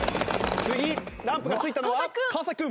次ランプがついたのは川君。